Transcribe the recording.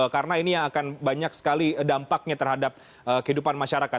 karena ini yang akan banyak sekali dampaknya terhadap kehidupan masyarakat